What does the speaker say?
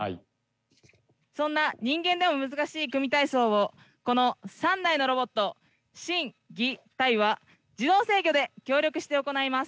そんな人間でも難しい組体操をこの３台のロボット心技体は自動制御で協力して行います。